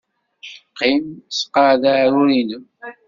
Qqim, sseqɛed aɛrur-nnem.